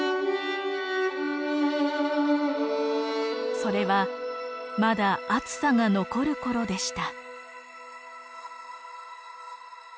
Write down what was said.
それはまだ暑さが残る頃でした。